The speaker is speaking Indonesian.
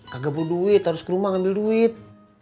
kagak butuh duit harus ke rumah ngambil duit